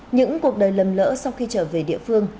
những cuộc đời lầm lỡ sau khi trở về địa phương